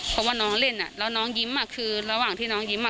เพราะว่าน้องเล่นอ่ะแล้วน้องยิ้มอ่ะคือระหว่างที่น้องยิ้มอ่ะ